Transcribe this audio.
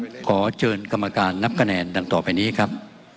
ขอเชิญกรรมการนับคะแนนดังต่อไปนี้ครับ